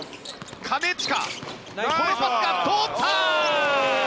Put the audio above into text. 金近、このパスが通った！